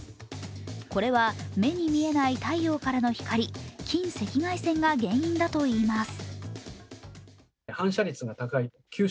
これは目に見えない太陽からの光、近赤外線が原因だといいます。